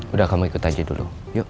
udah kamu ikut aja dulu yuk